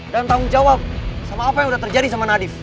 dan tanggung jawab sama apa yang udah terjadi sama nadif